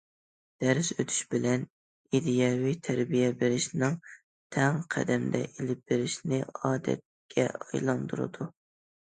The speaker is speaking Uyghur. دەرس ئۆتۈش بىلەن ئىدىيەۋى تەربىيە بېرىشنى تەڭ قەدەمدە ئېلىپ بېرىشنى ئادەتكە ئايلاندۇرىدۇ.